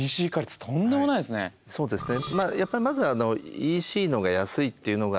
そうですね。